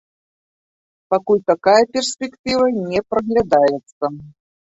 Пакуль такая перспектыва не праглядаецца.